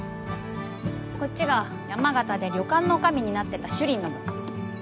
こっちが山形で旅館の女将になってたしゅりんの分。